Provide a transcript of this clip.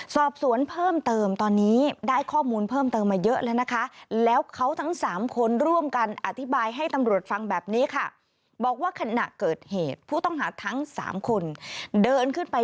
สอบสวนเพิ่มเติมตอนนี้ได้ข้อมูลเพิ่มเติมมาเยอะแล้วนะคะ